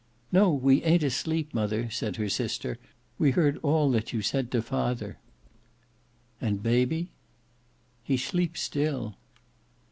"No, we aynt asleep, mother," said her sister; "we heard all that you said to father." "And baby?" "He sleeps still."